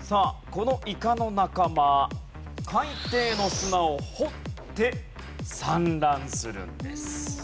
さあこのイカの仲間海底の砂を掘って産卵するんです。